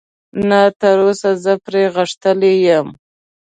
نه، تراوسه زه پرې غښتلی یم.